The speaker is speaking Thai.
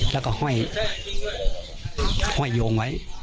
แล้วก็ห้อยโยงไว้